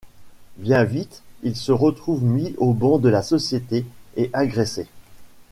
Bien vite, ils se retrouvent mis au ban de la société et agressés.